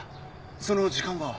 その時間は？